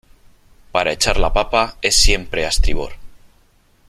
para echar la papa es siempre a estribor ,